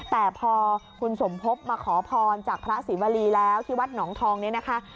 แต่พอคุณสมพบมาขอพรจากพระศรีวรีแล้วที่วัดหนองทองเนี่ยนะคะ